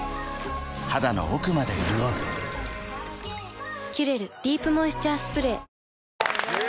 肌の奥まで潤う「キュレルディープモイスチャースプレー」